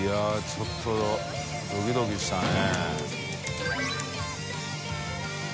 ちょっとドキドキしたね。